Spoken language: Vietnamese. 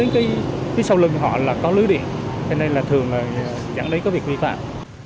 cái phía sau lưng của họ là có lưới điện thế nên là thường là chẳng lấy có việc vi phạm